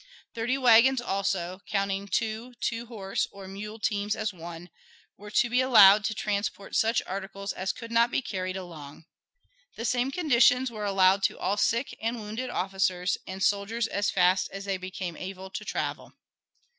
Thirty wagons also, counting two two horse or mule teams as one, were to be allowed to transport such articles as could not be carried along. The same conditions were allowed to all sick and wounded officers and soldiers as fast as they became able to travel.